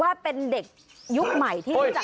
ให้น้องส่งให้นี่ดู